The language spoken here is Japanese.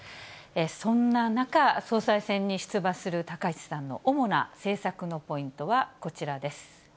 そんな中、総裁選に出馬する高市さんの主な政策のポイントはこちらです。